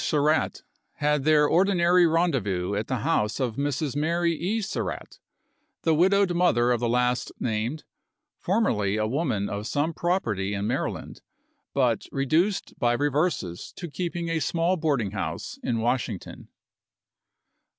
Surratt, had their ordinary rendezvous at the house of Mrs. Mary E. Surratt, the widowed sa h st mother of the last named, formerly a woman of some property in Maryland, but reduced by reverses to keeping a small boarding house in Washington.